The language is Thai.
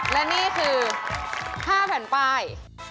และนี่คือ๕แผ่นป้าย